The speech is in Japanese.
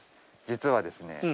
実はですね